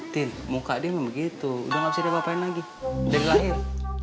tin muka dia enggak begitu udah enggak bisa diapain lagi dari lahir